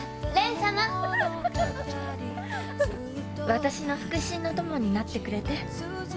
私の腹心の友になってくれて？